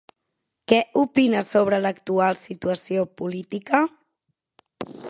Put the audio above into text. Què opina sobre l'actual situació política?